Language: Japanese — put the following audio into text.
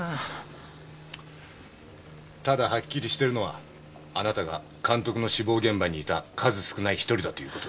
ただハッキリしてるのはあなたが監督の死亡現場にいた数少ない１人だっていうこと。